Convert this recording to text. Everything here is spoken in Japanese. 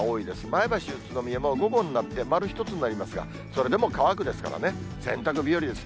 前橋、宇都宮も、午後になって丸１つになりますが、それでも乾くですからね、洗濯日和です。